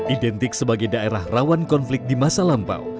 identik sebagai daerah rawan konflik di masa lampau